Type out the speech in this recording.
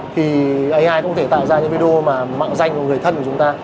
thì ai cũng có thể tạo ra những video mà mạo danh của người thân của chúng ta